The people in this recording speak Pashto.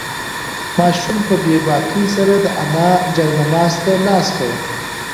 ماشوم په بې باکۍ سره د انا جاینماز ته لاس کړ.